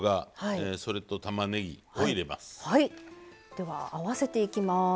では合わせていきます。